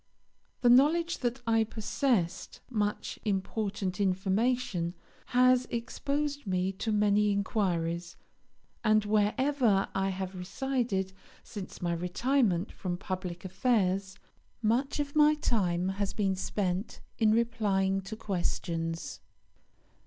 The knowledge that I possessed much important information has exposed me to many inquiries, and wherever I have resided since my retirement from public affairs much of my time has been spent in replying to questions.